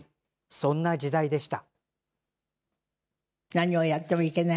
そんな時代でした。